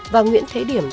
và nguyễn thế điểm